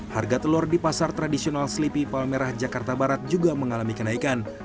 harga telur di pasar tradisional sleepi palmerah jakarta barat juga mengalami kenaikan